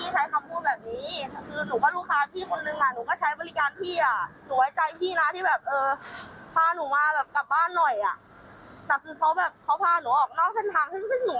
แต่คือเขาแบบพาหนูออกนอกทาง